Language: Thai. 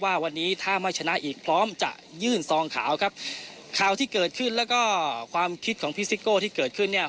ว่าวันนี้ถ้าไม่ชนะอีกพร้อมจะยื่นซองขาวครับข่าวที่เกิดขึ้นแล้วก็ความคิดของพี่ซิโก้ที่เกิดขึ้นเนี่ย